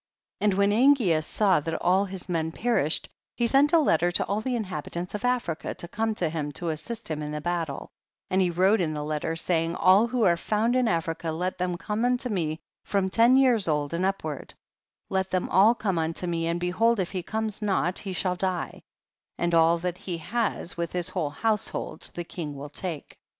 29. And when Angeas saw that all his men perished, he sent a letter to all the inhabitants of Africa to come to him to assist him in the battle, and he wrote in the letter, saying, all who are found in Africa let them come unto me from ten years old and up ward; let them all come unto me, and behold if he comes not he shall die, and all that he has, with his whole household, the king will take.